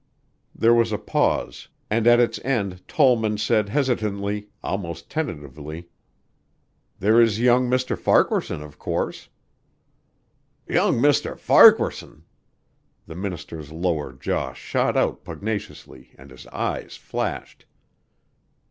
There was a pause and at its end Tollman said hesitantly, almost tentatively, "There is young Mr. Farquaharson, of course." "Young Mr. Farquaharson!" The minister's lower jaw shot out pugnaciously and his eyes flashed.